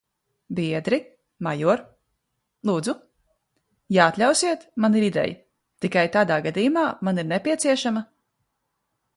-Biedri, major. -Lūdzu? -Ja atļausiet, man ir ideja. Tikai tādā gadījumā man ir nepieciešama...